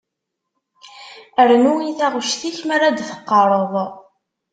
Rnu i taɣect-ik mi ara d-teqqareḍ.